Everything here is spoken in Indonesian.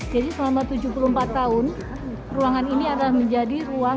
depan perusahaan yang melintaskan perusahaan ini dim honekan oleh karyawan